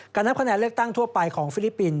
นับคะแนนเลือกตั้งทั่วไปของฟิลิปปินส